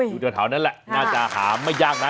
อยู่ที่ว่าเถานั้นแหละน่าจะหามไม่ยากนะ